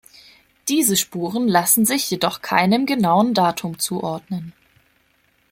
Diese Spuren lassen sich jedoch keinem genauen Datum zuordnen.